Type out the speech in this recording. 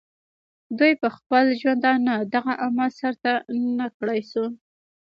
دوي پۀ خپل ژوندانۀ دغه عمل سر ته نۀ کړے شو